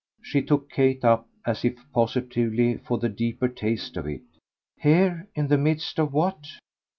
She took Kate up as if positively for the deeper taste of it. "Here in the midst of what?"